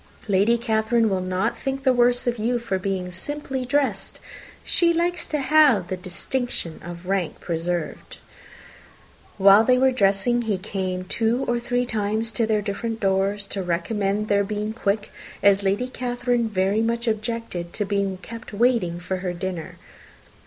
Lady Catherine will not think the worse of you for being simply dressed. She likes to have the distinction of rank preserved." While they were dressing, he came two or three times to their different doors, to recommend their being quick, as Lady Catherine very much objected to be kept waiting for her dinner.